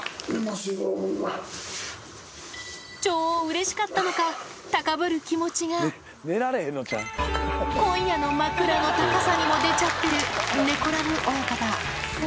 超うれしかったのか、高ぶる気持ちが、今夜の枕の高さにも出ちゃってる猫ラブ親方。